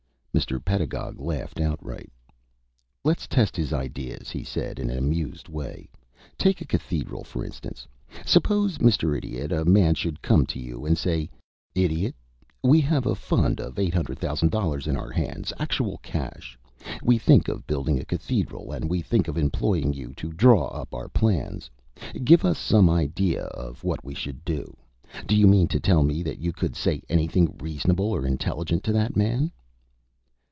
Mr. Pedagog laughed outright. "Let's test his ideas," he said, in an amused way. "Take a cathedral, for instance. Suppose, Mr. Idiot, a man should come to you and say: 'Idiot, we have a fund of $800,000 in our hands, actual cash. We think of building a cathedral, and we think of employing you to draw up our plans. Give us some idea of what we should do.' Do you mean to tell me that you could say anything reasonable or intelligent to that man?"